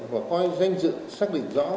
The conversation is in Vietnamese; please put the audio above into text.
và coi danh dự xác định rõ